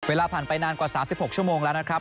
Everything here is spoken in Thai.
เวลาผ่านไปนานกว่า๓๖ชั่วโมงแล้วนะครับ